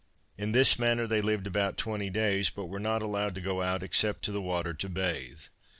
In this manner they lived about twenty days, but were not allowed to go out except to the water to bathe.